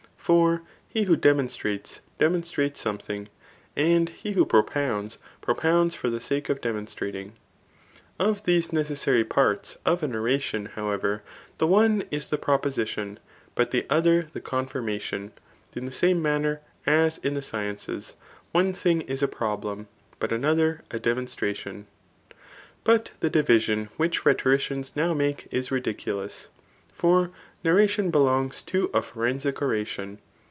For he who demonstrates, demon strs^es something, and he who propounds, propounds for the sake of demonstrating. Of these [necessary parts]] of an oration, however, the one is the proposition, but the other the confirmation ; in the same manner as in the sciences, one thing is a problem, but another a de monstration* But the division which rhetoricians now make is ridiculous. For narration belongs to a forensic oration.